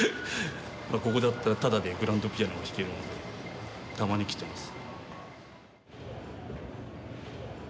ここだったらタダでグランドピアノを弾けるのでたまに来てます。